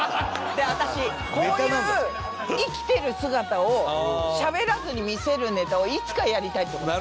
私こういう生きてる姿をしゃべらずに見せるネタをいつかやりたいと思ってた。